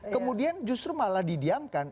kemudian justru malah didiamkan